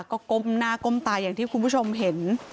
ก็ก้มหน้าก้มตาอย่างที่คุณผู้ชมเห็น